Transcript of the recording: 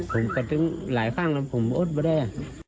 ผมกระตึ้งหลายครั้งแล้วผมอดไม่ได้